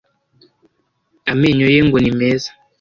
amenyo ye ngo nimeza